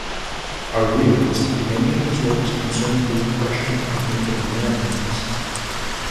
A realist, many of his works concerned the oppression of Native Americans.